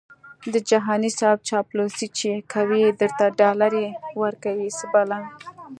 د جهاني صیب چاپلوسي چې کوي درته ډالري ورکوي څه بلا🤑🤣